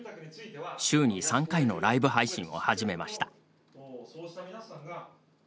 週に３回のライブ配信を始めました。